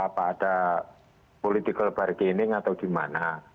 apa ada political bargaining atau di mana